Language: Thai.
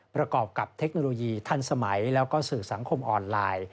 ประกอบกับเทคโนโลยีทันสมัยแล้วก็สื่อสังคมออนไลน์